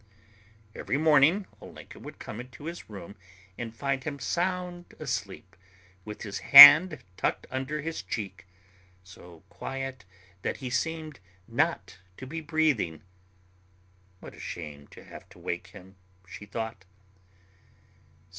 Every morning Olenka would come into his room and find him sound asleep with his hand tucked under his cheek, so quiet that he seemed not to be breathing. What a shame to have to wake him, she thought.